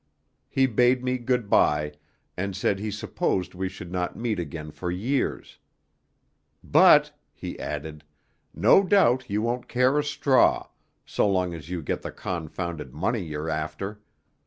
He bade me good bye, and said he supposed we should not meet again for years; "but," he added, "no doubt you won't care a straw, so long as you get the confounded money you're after.